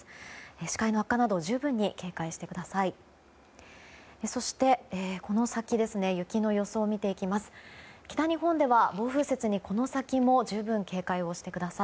視界の悪化など十分に警戒してください。